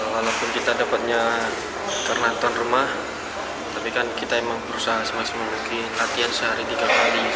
walaupun kita dapatnya karena ton rumah tapi kita berusaha semakin banyak latihan sehari tiga kali